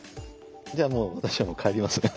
じゃあもう私は帰ります。